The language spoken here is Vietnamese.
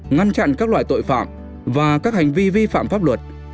ngăn chặn các loại tội phạm và các hành vi vi phạm pháp luật